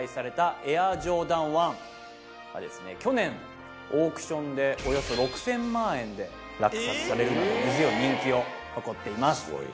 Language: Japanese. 去年オークションでおよそ６０００万円で落札されるなど根強い人気を誇っています。